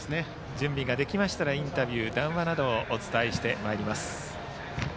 準備ができましたらインタビュー、談話などをお伝えしたいと思います。